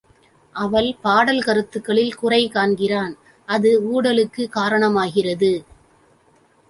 அவள் பாடல் கருத்துகளில் குறை காண்கிறான், அது ஊடலுக்குக் காரணம் ஆகிறது.